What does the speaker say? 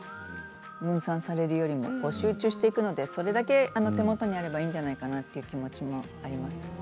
分散されるよりも集中していくのでそれだけ手元にあればいいんじゃないかなという気持ちもあります。